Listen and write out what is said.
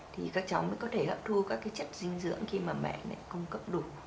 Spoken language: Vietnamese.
thì các cháu mới có thể hợp thu các chất dinh dưỡng khi mà mẹ này cung cấp đủ